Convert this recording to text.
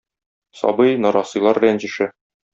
Сабый, нарасыйлар рәнҗеше.